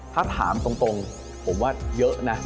ถ้าถามตรงผมว่าเยอะนะ